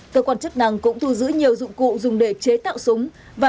cơ quan chức năng cũng thu giữ nhiều dụng cụ dùng để chế tạo súng